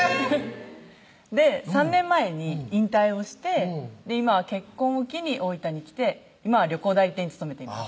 で３年前に引退をして今は結婚を機に大分に来て今は旅行代理店に勤めています